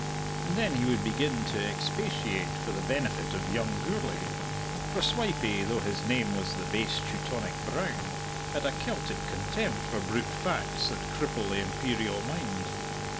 And then he would begin to expatiate for the benefit of young Gourlay for Swipey, though his name was the base Teutonic Brown, had a Celtic contempt for brute facts that cripple the imperial mind.